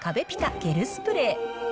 ゲルスプレー。